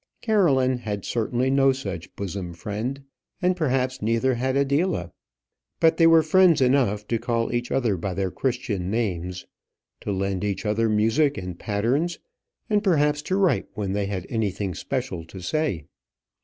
Caroline had certainly no such bosom friend, and perhaps neither had Adela; but they were friends enough to call each other by their Christian names, to lend each other music and patterns, and perhaps to write when they had anything special to say.